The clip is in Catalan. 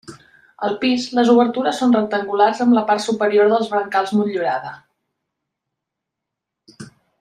Al pis, les obertures són rectangulars amb la part superior dels brancals motllurada.